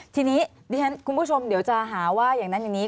ทีนี้คุณผู้ชมเดี๋ยวจะหาว่าอย่างนั้นอย่างนี้